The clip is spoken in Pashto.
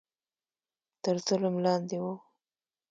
تر ظلم لاندې وو